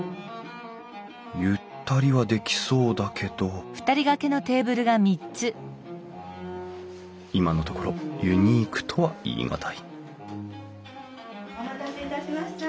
ゆったりはできそうだけど今のところユニークとは言い難いお待たせいたしました。